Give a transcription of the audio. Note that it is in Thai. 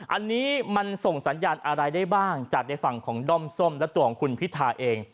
อันนี้มันส่งสัญญาณอะไรได้บ้างจากในฝั่งของด้อมส้มและตัวของคุณพิธาเอง